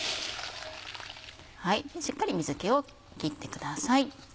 しっかり水気を切ってください。